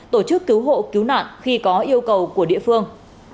tổ chức cứu hộ cứu nạn khi có yêu cầu của địa phương